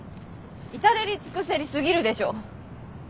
至れり尽くせり過ぎるでしょ。